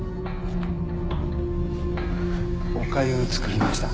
おかゆ作りました